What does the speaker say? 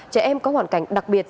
trẻ em có hoàn cảnh đặc biệt